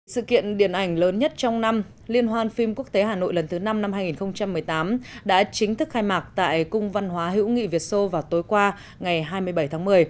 sự kiện điện ảnh lớn nhất trong năm liên hoan phim quốc tế hà nội lần thứ năm năm hai nghìn một mươi tám đã chính thức khai mạc tại cung văn hóa hữu nghị việt sô vào tối qua ngày hai mươi bảy tháng một mươi